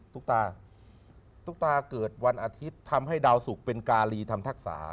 ตุ๊กตาตุ๊กตาเกิดวันอาทิตย์ทำให้ดาวสุกเป็นการีทำทักษา